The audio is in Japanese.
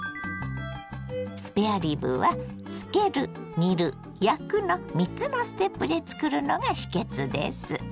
スペアリブは「漬ける」「煮る」「焼く」の３つのステップで作るのが秘けつです。